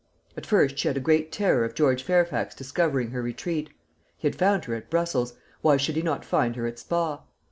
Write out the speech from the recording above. At first she had a great terror of George Fairfax discovering her retreat. He had found her at Brussels; why should he not find her at Spa?